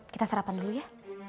kita sarapan dulu ya